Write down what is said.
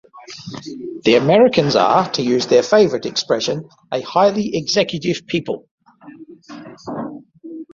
The Americans are, to use their favourite expression, a highly executive people.